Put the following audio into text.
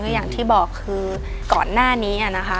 อย่างที่บอกคือก่อนหน้านี้นะคะ